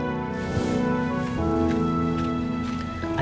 ada apa pak